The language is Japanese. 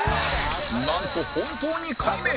なんと本当に改名！